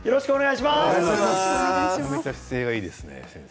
めちゃめちゃ姿勢がいいですね、先生。